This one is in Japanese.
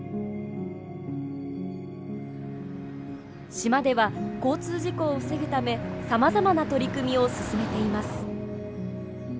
島では交通事故を防ぐためさまざまな取り組みを進めています。